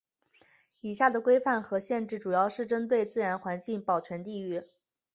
以下的规范和限制主要是针对自然环境保全地域。